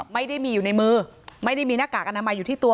ไม่ได้มีอยู่ในมือไม่ได้มีหน้ากากอนามัยอยู่ที่ตัว